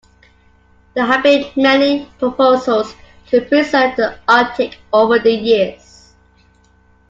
There have been many proposals to preserve the Arctic over the years.